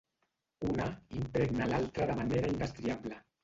Una impregna l’altra de manera indestriable.